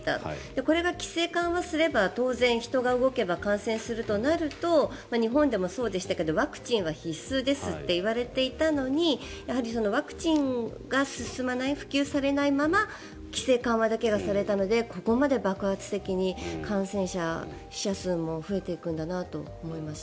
これが規制緩和すれば当然、人が動けば感染するとなると日本でもそうでしたけどワクチンは必須ですと言われていたのにワクチンが進まない普及されないまま規制緩和だけがされたのでここまで爆発的に感染者、死者数も増えていくんだなと思いました。